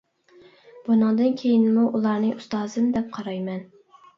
بۇنىڭدىن كېيىنمۇ ئۇلارنى ئۇستازىم دەپ قارايمەن.